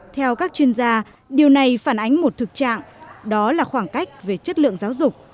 theo các chuyên gia điều này phản ánh một thực trạng đó là khoảng cách về chất lượng giáo dục